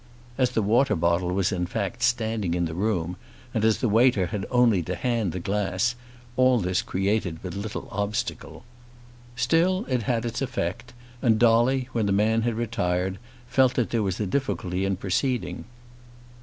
As the water bottle was in fact standing in the room, and as the waiter had only to hand the glass, all this created but little obstacle. Still it had its effect, and Dolly, when the man had retired, felt that there was a difficulty in proceeding.